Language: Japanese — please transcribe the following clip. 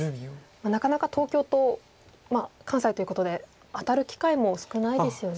なかなか東京と関西ということで当たる機会も少ないですよね。